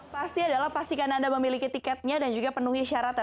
pasti adalah pastikan anda memiliki tiketnya dan juga penuhi syaratnya